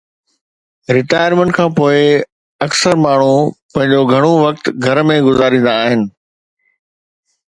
retirement کان پوء، اڪثر ماڻهو پنهنجو گهڻو وقت گهر ۾ گذاريندا آهن